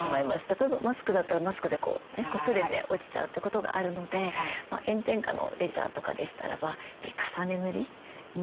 例えばマスクだったらマスクでこうねこすれて落ちちゃうってことがあるので炎天下のレジャーとかでしたらば重ね塗り２時間ごとに重ね塗り。